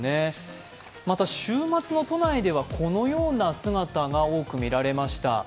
また週末の都内では、このような姿が多く見られました。